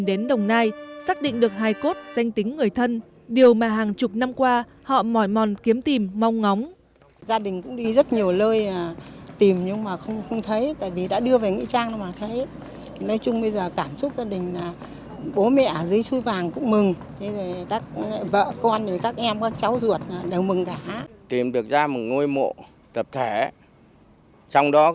tìm đến đồng nai xác định được hai cốt danh tính người thân điều mà hàng chục năm qua họ mỏi mòn kiếm tìm mong ngóng